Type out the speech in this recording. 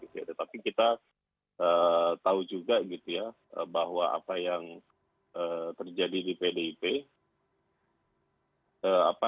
tetapi kita tahu juga gitu ya bahwa apa yang terjadi di pdip